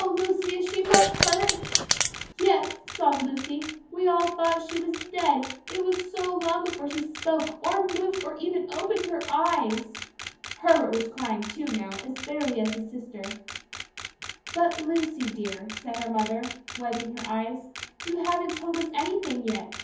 Lucy, is she much hurt?" "Yes," sobbed Lucy, "we all thought she was dead, it was so long before she spoke, or moved, or even opened her eyes." Herbert was crying, too, now, as bitterly as his sister. "But, Lucy dear," said her mother, wiping her eyes, "you haven't told us anything yet.